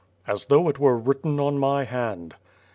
^' "As though it were written on my hand."